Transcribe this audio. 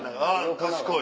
賢い！